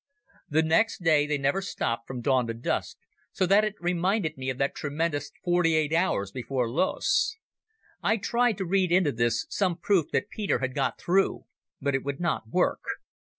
The next day they never stopped from dawn to dusk, so that it reminded me of that tremendous forty eight hours before Loos. I tried to read into this some proof that Peter had got through, but it would not work.